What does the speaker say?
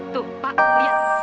tuh pak lihat